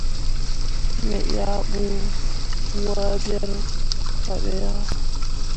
Me yah bu waaberre fah be yah.